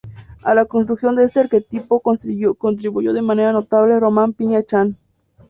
A la construcción de este arquetipo contribuyó de manera notable Román Piña Chan.